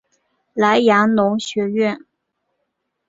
莱阳农学院。